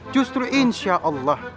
justru insya allah